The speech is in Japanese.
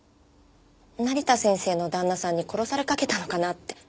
成田先生の旦那さんに殺されかけたのかなって。